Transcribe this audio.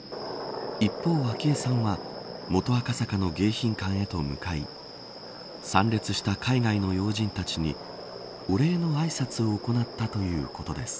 一方、昭恵さんは元赤坂の迎賓館へと向かい参列した海外の要人たちにお礼のあいさつを行ったということです。